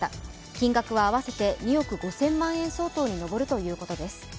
金額は合わせて２億５０００万円相当に上るということです。